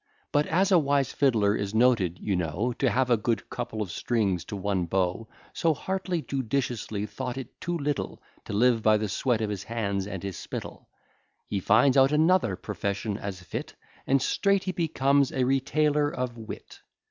But as a wise fiddler is noted, you know, To have a good couple of strings to one bow; So Hartley judiciously thought it too little, To live by the sweat of his hands and his spittle: He finds out another profession as fit, And straight he becomes a retailer of wit.